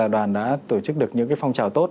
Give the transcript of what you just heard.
đoàn đã tổ chức được những phong trào tốt